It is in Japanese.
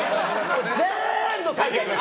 全部書いてあります！